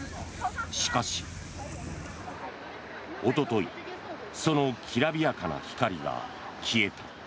しかし、おとといそのきらびやかな光が消えた。